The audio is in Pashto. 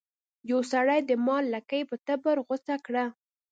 یو سړي د مار لکۍ په تبر غوڅه کړه.